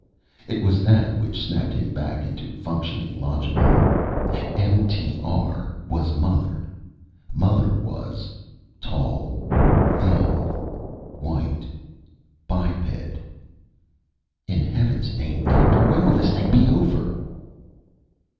It was that which snapped him back into functioning logically. MTR was Mother. Mother was: Tall Thin White Biped _"In Heaven's name, Doctor, when will this thing be over?"